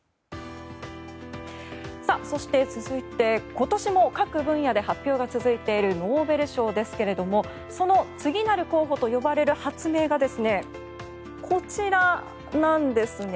そして続いて、今年も各分野で発表が続いているノーベル賞ですがその次なる候補と呼ばれる発明がこちらなんですね。